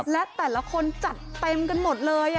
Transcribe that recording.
และแต่ละคนจัดเต็มกันหมดเลย